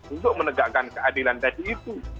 untuk menegakkan keadilan tadi itu